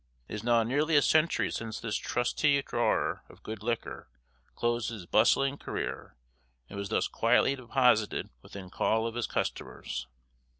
It is now nearly a century since this trusty drawer of good liquor closed his bustling career and was thus quietly deposited within call of his customers.